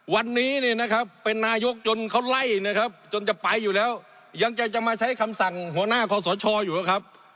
วันนี้เนี่ยนะครับเป็นนายกจนเขาไล่นะครับจนจะไปอยู่แล้วยังจะมาใช้คำสั่งหัวหน้าคอสชอยู่แล้วครับ